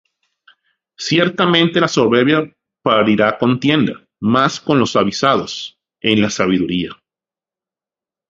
Ciertamente la soberbia parirá contienda: Mas con los avisados es la sabiduría.